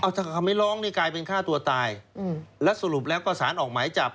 ถ้าเขาไม่ร้องนี่กลายเป็นฆ่าตัวตายแล้วสรุปแล้วก็สารออกหมายจับ